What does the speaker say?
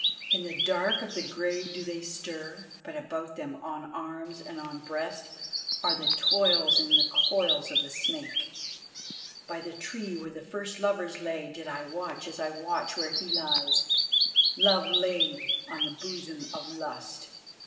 In the dark of the grave do they stir; but about them, on arms and on breast, Are the toils and the coils of the Snake: By the tree where the first lovers lay, did I watch as I watch where he lies, Love laid on the bosom of Lust!"